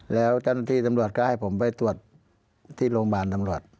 แล้วเจ้าหน้าที่ตำรวจก็ให้ผมไปตรวจที่โรงพยาบาลตำรวจ